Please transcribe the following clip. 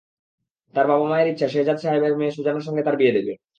তার বাবা-মায়ের ইচ্ছা, শেহ্জাদ সাহেবের মেয়ে সুজানার সঙ্গে তার বিয়ে দেবে।